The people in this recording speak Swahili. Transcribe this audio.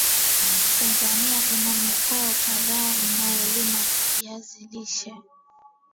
Tanzania kuna mikoa kadhaa inayolima vizi lishe